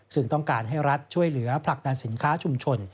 ซึ่งต้องการให้รัฐช่วยเหลือผลักดันสินค้าชุมชน